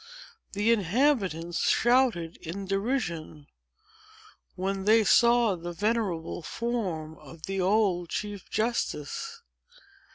The inhabitants shouted in derision, when they saw the venerable form of the old chief justice.